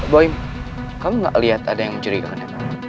boim kamu nggak lihat ada yang mencurigakan